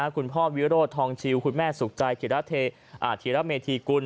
คุณพ่อวิโรธทองชิวคุณแม่สุขใจธีระเมธีกุล